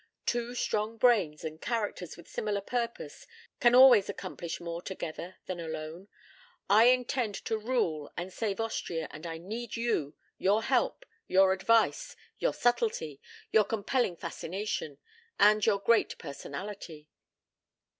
Two strong brains and characters with similar purpose can always accomplish more together than alone. I intend to rule and to save Austria, and I need you, your help, your advice, your subtlety, your compelling fascination, and your great personality."